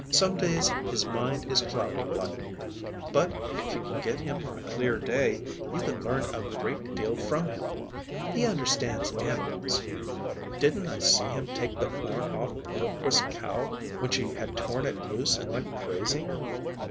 Some days his mind is cloudy, like. But if you can get him on a clear day, you can learn a great deal from him. He understands animals. Didn't I see him take the horn off the Berquist's cow when she had torn it loose and went crazy?